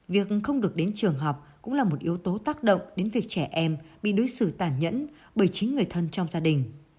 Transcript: việc không được đến trường học cũng là một yếu tố tác động đến việc trẻ em bị đối xử tản nhẫn bởi chính người thân trong gia đình